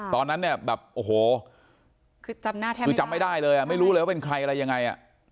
ตอนนั้นเนี่ยแบบโอ้โหคือจำหน้าแทบคือจำไม่ได้เลยอ่ะไม่รู้เลยว่าเป็นใครอะไรยังไง